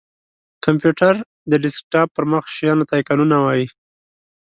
کمپېوټر:د ډیسکټاپ پر مخ شېانو ته آیکنونه وایې!